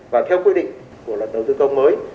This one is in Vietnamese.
và theo quy định của luật đầu tư công mới